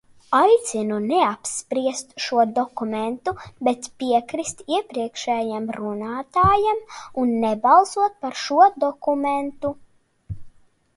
Aicinu neapspriest šo dokumentu, bet piekrist iepriekšējam runātājam un nebalsot par šo dokumentu.